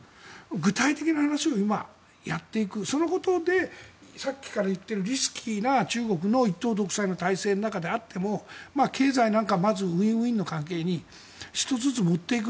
具体的な話をやっていくそのことでさっきから言っているリスキーな中国の一党独裁の体制であっても経済なんかはまずウィンウィンの関係に１つずつ持っていく。